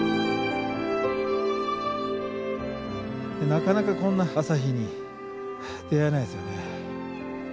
なかなかこんな朝日に出会えないですよね。